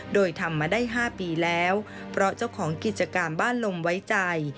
โดยทำมาได้๕ปีแล้วเพราะเจ้าของกิจการบ้านลมไว้ใจ